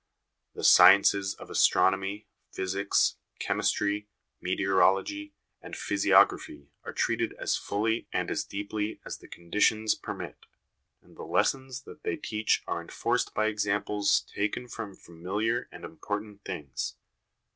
" The sciences of astronomy, physics, chemistry, meteorology, and physiography are treated as fully and as deeply as the conditions permit ; and the lessons that they teach are enforced by examples taken from familiar and important things.